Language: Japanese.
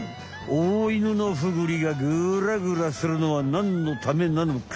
オオイヌノフグリがグラグラするのはなんのためなのか？